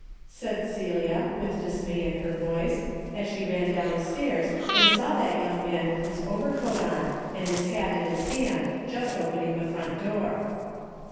'' said Celia, with dismay in her voice, as she ran down the stairs and saw that young man with his overcoat on and his hat in his hand just opening the front door.